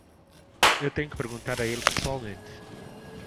Eu tenho que perguntar a ele pessoalmente.